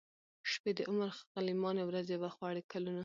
شپې د عمر غلیماني ورځي وخوړې کلونو